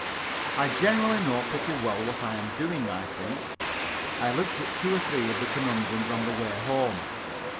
I generally know pretty well what I am doing, I think. I looked at two or three of the conundrums on the way home.